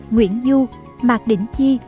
nguyễn du mạc định chi